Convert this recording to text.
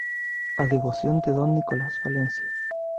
A devoción de don Nicolás Valencia.